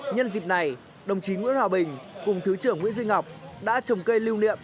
nhân dịp này đồng chí nguyễn hòa bình cùng thứ trưởng nguyễn duy ngọc đã trồng cây lưu niệm